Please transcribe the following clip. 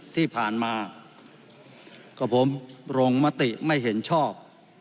ที่ผ่านมากับผมลงมติไม่เห็นชอบ